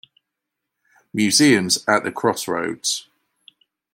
Museums at the Crossroads?